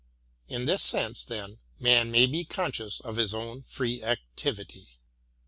In this sense, then, man may be conscious of his own free activity.